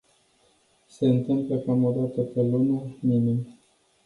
Se întâmplă cam o dată pe lună, minim.